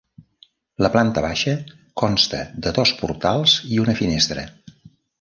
La planta baixa consta de dos portals i una finestra.